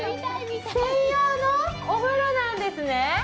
専用のお風呂なんですね。